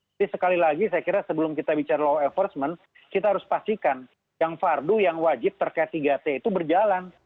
jadi sekali lagi saya kira sebelum kita bicara law enforcement kita harus pastikan yang fardu yang wajib terkait tiga t itu berjalan